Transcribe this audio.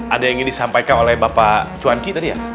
ada yang ingin disampaikan oleh bapak cuanki tadi ya